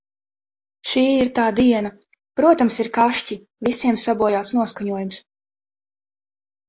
Šī ir tā diena! Protams, ir kašķi, visiem sabojāts noskaņojums.